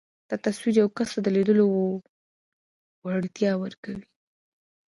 دا تصور يو کس ته د ليدلو وړتيا ورکوي.